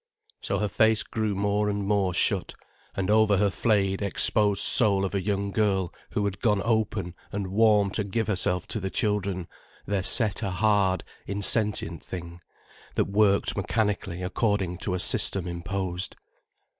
So her face grew more and more shut, and over her flayed, exposed soul of a young girl who had gone open and warm to give herself to the children, there set a hard, insentient thing, that worked mechanically according to a system imposed.